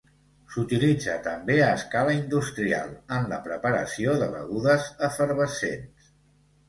S'utilitza també, a escala industrial, en la preparació de begudes efervescents.